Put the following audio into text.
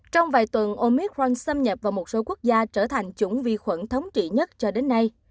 trong vài tuần omicron xâm nhập vào một số quốc gia trở thành chủng vi khuẩn thống trị nhất cho đến nay